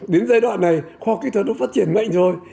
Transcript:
đến giai đoạn này khoa học kỹ thuật nó phát triển mạnh rồi